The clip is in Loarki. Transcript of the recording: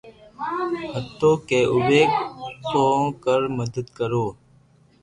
ھتو ڪي اووي ڪوڪر مدد ڪرو